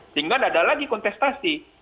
sehingga tidak ada lagi kontestasi